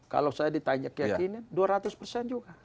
kalau saya ditanya keyakinan dua ratus persen juga